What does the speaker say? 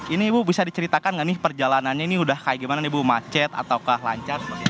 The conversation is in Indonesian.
ini ibu bisa diceritakan nggak nih perjalanannya ini udah kayak gimana nih bu macet ataukah lancar seperti apa